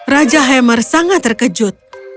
raja hammer sangat terkejut